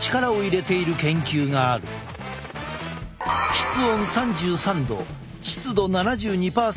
室温３３℃湿度７２％。